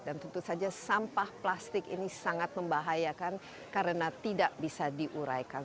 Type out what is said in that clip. dan tentu saja sampah plastik ini sangat membahayakan karena tidak bisa diuraikan